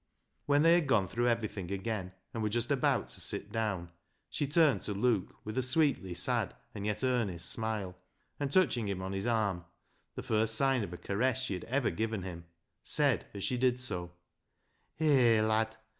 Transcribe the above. When they had gone through everything again, and were just about to sit down, she turned to Luke with a sweetly sad and yet earnest smile, and, touching him on his arm, — the first sign of a caress she had ever given him, — said, as she did so —" Hay, lad